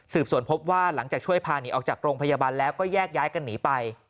ส่วนพบว่าหลังจากช่วยพาหนีออกจากโรงพยาบาลแล้วก็แยกย้ายกันหนีไป